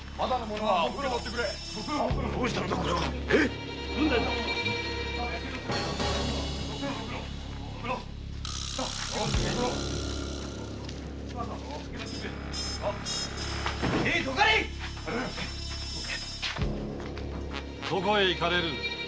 どこへ行かれる！